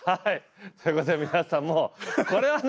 そういうことで皆さんもこれはね